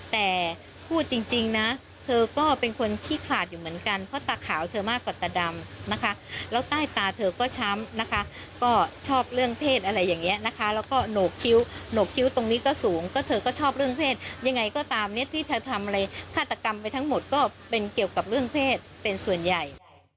แต่พูดจริงนะเธอก็เป็นคนขี้ขาดอยู่เหมือนกันเพราะตาขาวเธอมากกว่าตาดำนะคะแล้วใต้ตาเธอก็ช้ำนะคะก็ชอบเรื่องเพศอะไรอย่างนี้นะคะแล้วก็โหนกคิ้วโหนกคิ้วตรงนี้ก็สูงก็เธอก็ชอบเรื่องเพศยังไงก็ตามเนี่ยที่เธอทำอะไรฆาตกรรมไปทั้งหมดก็เป็นเกี่ยวกับเรื่องเพศเป็นส่วนใหญ่